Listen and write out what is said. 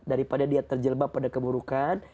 daripada dia terjelbab pada keburukan